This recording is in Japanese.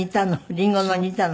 リンゴの煮たの？